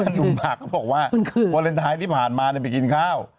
หนุ่มหมากก็บอกว่าวันเวลาที่ผ่านมาได้ไปกินข้าว